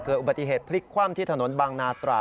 อุบัติเหตุพลิกคว่ำที่ถนนบางนาตรา